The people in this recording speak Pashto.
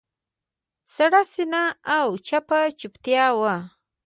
سړه سینه او چپه چوپتیا وه.